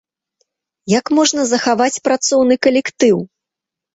Як можна захаваць працоўны калектыў?